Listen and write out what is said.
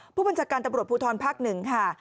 ผู้บัญชาการตำรวจภูทรภาค๑ค่ะ